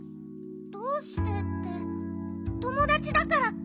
どうしてってともだちだからッピ。